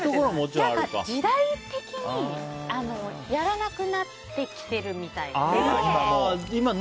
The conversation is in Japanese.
時代的にやらなくなってきてるみたいで。